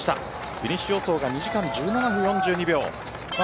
フィニッシュ予想は２時間１７分４２秒。